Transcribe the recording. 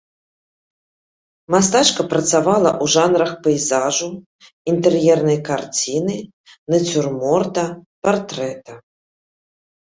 Мастачка працавала ў жанрах пейзажу, інтэр'ернай карціны, нацюрморта, партрэта.